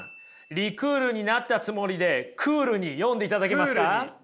リクールになったつもりでクールに読んでいただけますか。